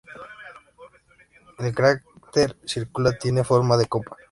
El cráter circular tiene forma de copa.